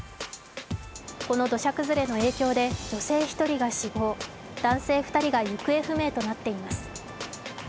この土砂崩れの影響で女性１人が死亡、男性２人が行方不明となっています